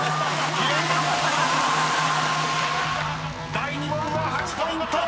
［第２問は８ポイント！